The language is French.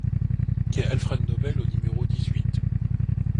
Quai Alfred Nobel au numéro dix-huit